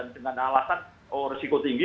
dengan alasan resiko tinggi